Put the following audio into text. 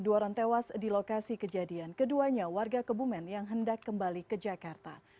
dua orang tewas di lokasi kejadian keduanya warga kebumen yang hendak kembali ke jakarta